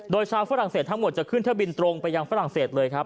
โดยชาวฝรั่งเศสทั้งหมดจะขึ้นเที่ยวบินตรงไปยังฝรั่งเศสเลยครับ